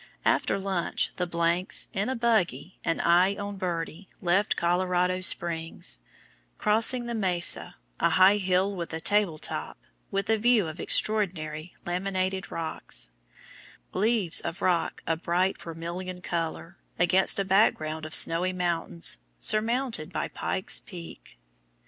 After lunch, the s in a buggy, and I on Birdie, left Colorado Springs, crossing the Mesa, a high hill with a table top, with a view of extraordinary laminated rocks, LEAVES of rock a bright vermilion color, against a background of snowy mountains, surmounted by Pike's Peak.